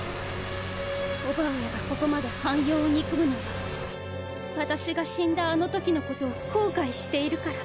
伯母上がここまで半妖を憎むのは私が死んだあの時のことを後悔しているから。